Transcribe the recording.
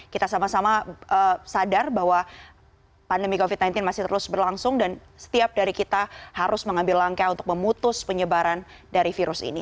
kita sama sama sadar bahwa pandemi covid sembilan belas masih terus berlangsung dan setiap dari kita harus mengambil langkah untuk memutus penyebaran dari virus ini